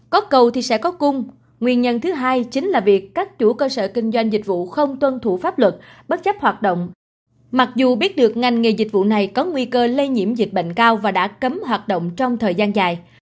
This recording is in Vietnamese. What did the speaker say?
có cầu thì sẽ có cung nguyên nhân thứ hai chính là việc các chủ cơ sở kinh doanh dịch vụ không tuân thủ pháp luật bất chấp hoạt động mặc dù biết được ngành nghề dịch vụ này có nguy cơ lây nhiễm dịch bệnh cao và đã cấm hoạt động trong thời gian dài